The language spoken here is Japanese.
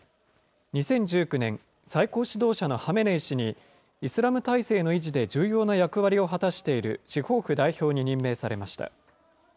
２０１９年、最高指導者のハメネイ師に、イスラム体制の維持で重要な役割を果たしている司法府代表に任命されました。